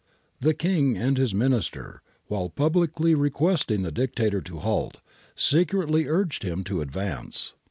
The King and his Minister, while publicly requesting the Dictator to halt, secretly urged him to advance.